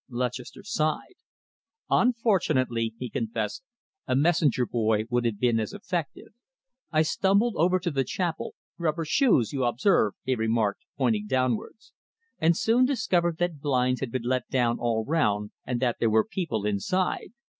Lutchester sighed. "Unfortunately," he confessed, "a messenger boy would have been as effective. I stumbled over to the chapel rubber shoes, you observe," he remarked, pointing downwards "and soon discovered that blinds had been let down all round and that there were people inside.